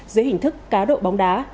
dưới hình thức cá độ bóng đá